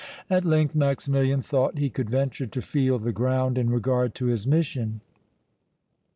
At length Maximilian thought he could venture to feel the ground in regard to his mission.